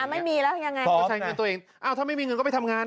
ไม่มีแล้วยังไงก็ใช้เงินตัวเองอ้าวถ้าไม่มีเงินก็ไปทำงาน